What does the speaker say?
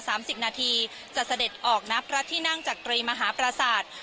สิบนาทีจะเสด็จออกนับพระที่นั่งจักรีมหาปราศาสตร์